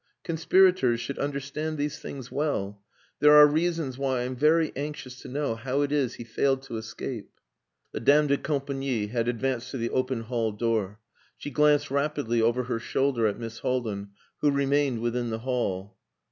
Conspirators should understand these things well. There are reasons why I am very anxious to know how it is he failed to escape." The dame de compagnie had advanced to the open hall door. She glanced rapidly over her shoulder at Miss Haldin, who remained within the hall.